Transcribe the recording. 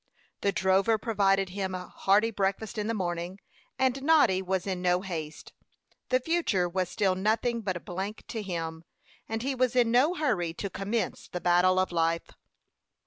The drover provided him a hearty breakfast in the morning, and Noddy was in no haste. The future was still nothing but a blank to him, and he was in no hurry to commence the battle of life.